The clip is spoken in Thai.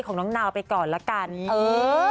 ของน้องนาวไปก่อนละกันเออ